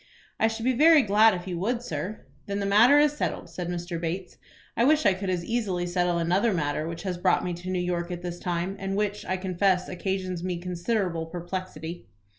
"I should be very glad if you would, sir." "Then that matter is settled," said Mr. Bates. "I wish I could as easily settle another matter which has brought me to New York at this time, and which, I confess, occasions me considerable perplexity."